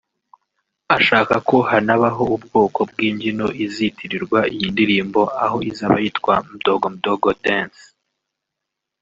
ashaka ko hanabaho ubwoko bw’ imbyino izitirirwa iyi ndirimbo aho izaba yitwa Mdogo Mdogo Dance